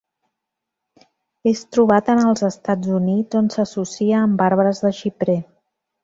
És trobat en els Estats Units, on s'associa amb arbres de xiprer.